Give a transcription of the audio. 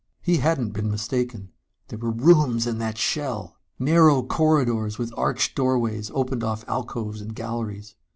He hadn't been mistaken. There were rooms in that shell! Narrow corridors with arched doorways opened off alcoves and galleries.